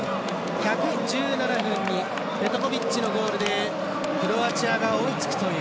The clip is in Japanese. １１７分にペトコビッチのゴールでクロアチアが追いつくという。